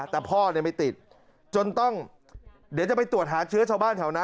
แต่พ่อไม่ติดจนต้องเดี๋ยวจะไปตรวจหาเชื้อชาวบ้าน